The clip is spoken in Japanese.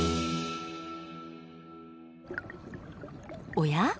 おや？